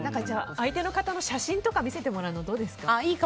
相手の方の写真とか見せてもらうのはどうですか？